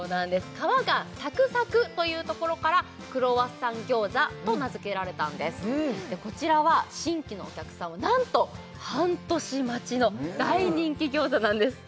皮がサクサクというところから「クロワッサン餃子」と名付けられたんですこちらは新規のお客さんはなんと半年待ちの大人気餃子なんです